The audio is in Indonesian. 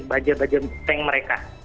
bajar bajar peng mereka